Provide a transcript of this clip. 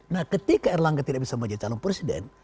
nah ketika erlangga tidak bisa menjadi calon presiden